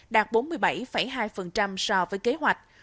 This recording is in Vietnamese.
đạt bốn mươi bảy hai so với kế hoạch